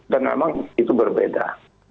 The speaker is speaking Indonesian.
dan memang itu berbeda